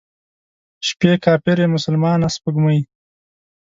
شپې کافرې، مسلمانه سپوږمۍ،